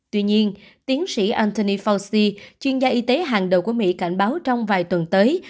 tuy nhiên tiến sĩ antony fauci chuyên gia y tế hàng đầu của mỹ cảnh báo trong vài tuần tới